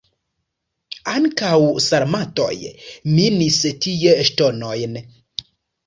Ankaŭ sarmatoj minis tie ŝtonojn.